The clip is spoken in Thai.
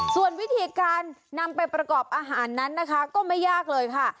ส่วนวิธีการนำไปประกอบอาหารนั้นนะคะก็ไม่ยากเลยค่ะ